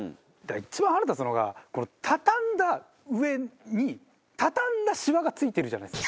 一番腹立つのが畳んだ上に畳んだシワがついてるじゃないですか。